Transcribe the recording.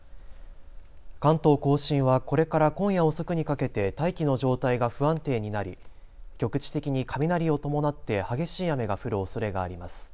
関東甲信はこれから今夜遅くにかけて大気の状態が不安定になり局地的に雷を伴って激しい雨が降るおそれがあります。